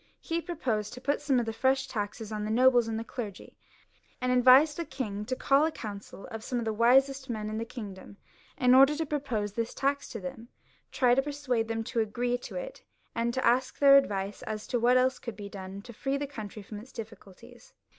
He proposed to put some fresh taxes on the nobles and the clergy, and advised the king to call a council of some of tiie wisest men in the kingdom, in order to propose this tax to them, try to persuade them to agree to it, and ask their advice as to what else could be done to free the country fix)m its difficulties.